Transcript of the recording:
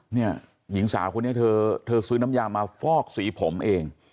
หญิงสาวคนนี้เธอซื้อน้ำยามาฟอกสีผมเอง